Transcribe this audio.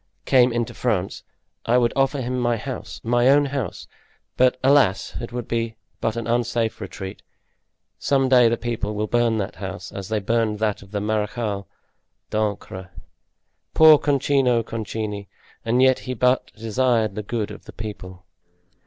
—came into France, I would offer him my house—my own house; but, alas! it would be but an unsafe retreat. Some day the people will burn that house, as they burned that of the Marechal d'Ancre. Poor Concino Concini! And yet he but desired the good of the people."